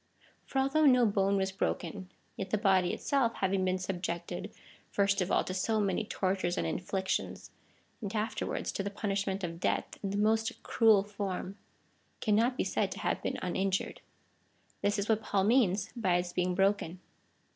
For although no bone was h'oken, yet the body itself having been subjected, first of all, to so many tortures and inflic tions, and afterwards to the punishment of death in the most cruel form, cannot be said to have been uninjured. This is what Paul means by its being broken.